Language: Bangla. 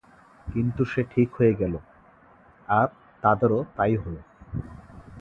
কিন্তু সে ঠিক হয়ে গেল, আর তাদেরও তাই হল।